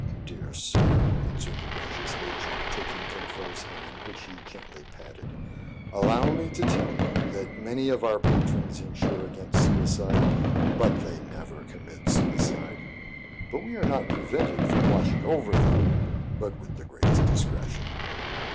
" Dear sir," answered the gracious agent, taking Kin Fo's hand, which he gently patted, " allow me to tell you that many of our patrons insure against suicide, but they nevçr commit suicide. But we 66 TRIBULATIONS OF A CHINAMAN. are not prevented from watching over them, — but with the greatest discretion."